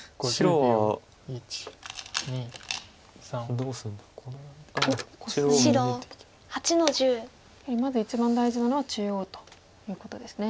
やはりまず一番大事なのは中央ということですね。